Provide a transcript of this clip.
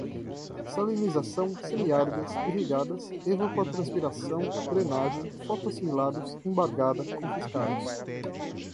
salinização, semi-áridas, irrigadas, evapotranspiração, drenagem, fotoassimilados, embargada, confiscados